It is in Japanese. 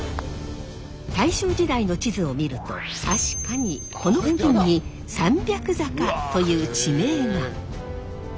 大正時代の地図を見ると確かにこの付近に三百坂という地名が。